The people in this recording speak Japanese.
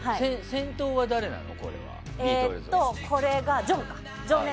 先頭は誰なの？